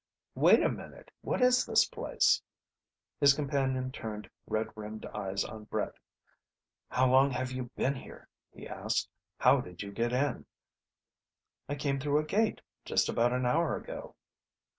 "Wait a minute! What is this place?!" His companion turned red rimmed eyes on Brett. "How long have you been here?" he asked. "How did you get in?" "I came through a gate. Just about an hour ago."